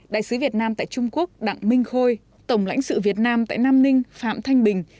đại sứ việt nam tại trung quốc đặng minh khôi tổng lãnh sự việt nam tại nam ninh phạm thanh bình